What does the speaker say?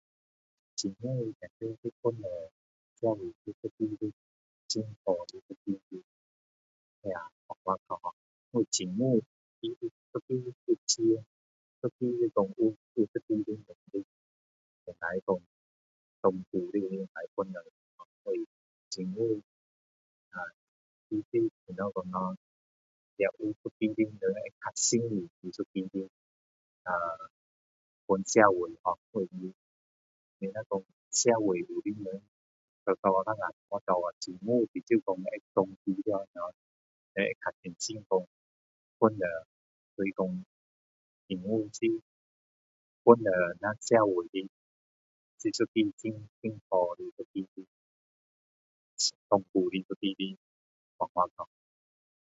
政府当然是帮助是一个很好的方法咯因为政府一个呢是有钱一个是说他有一个的能力能够说是长期的的帮助因为政府怎样说呢他的人有较信任的一个帮社会哦因为社会有些人等下会倒掉政府所以说是会长久的很好帮助所以是政府是一个很好帮助我们社会的一个很好的一个长期的一个方法咯